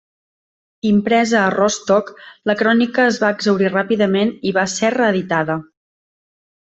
Impresa a Rostock, la crònica es va exhaurir ràpidament i va ser reeditada.